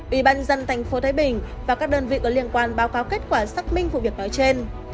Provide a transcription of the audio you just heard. ủy ban nhân dân tp thái bình và các đơn vị có liên quan báo cáo kết quả xác minh vụ việc nói trên